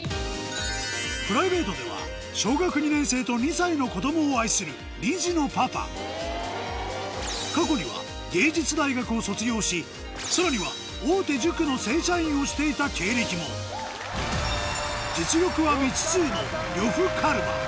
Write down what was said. プライベートでは小学２年生と２歳の子供を愛する過去には芸術大学を卒業しさらには大手塾の正社員をしていた経歴もの呂布カルマ！